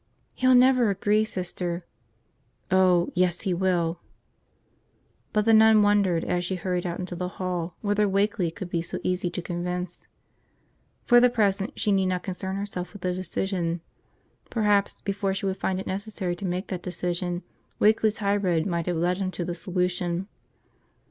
"He'll never agree, Sister." "Oh, yes, he will!" But the nun wondered, as she hurried out into the hall, whether Wakeley would be so easy to convince. For the present she need not concern herself with a decision. Perhaps, before she would find it necessary to make that decision, Wakeley's high road might have led him to the solution.